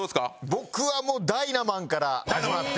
僕は『ダイナマン』から始まって。